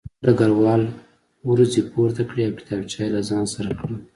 ډګروال وروځې پورته کړې او کتابچه یې له ځان سره کړه